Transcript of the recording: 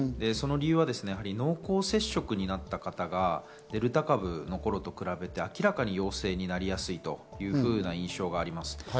その理由は濃厚接触になった方がデルタ株に比べて明らかに陽性になりやすいという印象があります。